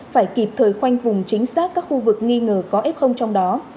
phải kịp thời khoanh vùng chính xác các khu vực nghi ngờ có f trong đó